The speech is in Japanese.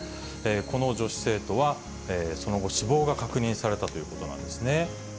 この女子生徒は、その後、死亡が確認されたということなんですね。